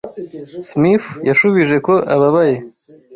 Smith yashubije ko ababaye.